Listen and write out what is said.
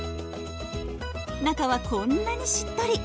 中はこんなにしっとり。